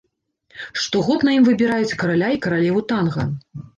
Штогод на ім выбіраюць караля і каралеву танга.